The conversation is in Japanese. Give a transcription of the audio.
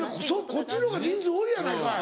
こっちのが人数多いやないかい。